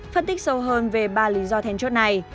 phân tích sâu hơn về ba lý do then chốt này